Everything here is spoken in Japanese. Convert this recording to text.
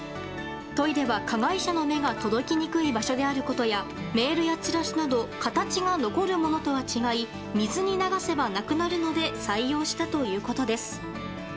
トイレは加害者の目が届きにくい場所であることやメールやチラシなど形が残るものとは違い水に流せばなくなるので採用したということです。